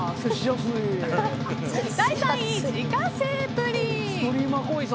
第３位、自家製プリン。